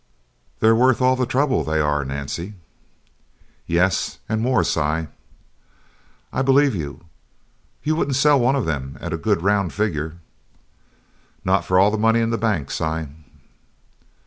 "They're worth all the trouble they are, Nancy." "Yes, and more, Si." "I believe you! You wouldn't sell one of them at a good round figure?" "Not for all the money in the bank, Si."